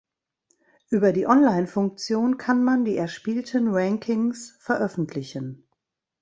Über die Online-Funktion kann man die erspielten Rankings veröffentlichen.